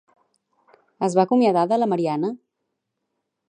Es va acomiadar de la Marianna?